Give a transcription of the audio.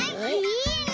いいね！